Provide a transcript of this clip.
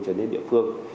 cho đến địa phương